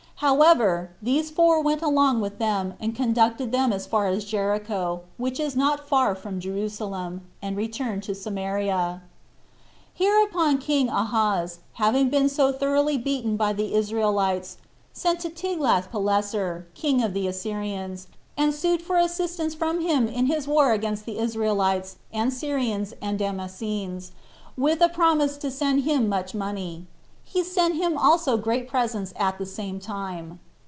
However, these four went along with them, and conducted them as far as Jericho, which is not far from Jerusalem, and returned to Samaria. 3. Hereupon king Ahaz, having been so thoroughly beaten by the Israelites, sent to Tiglath Pileser, king of the Assyrians, and sued for assistance from him in his war against the Israelites, and Syrians, and Damascenes, with a promise to send him much money; he sent him also great presents at the same time.